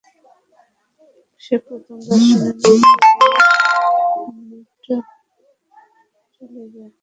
সে প্রথম দর্শনেই মুখ ফিরিয়ে অন্যত্র চলে যায়।